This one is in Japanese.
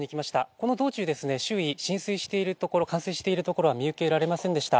この道中、周囲に浸水している所、冠水している所は見受けられませんでした。